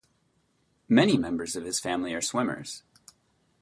Many members of his family are swimmers.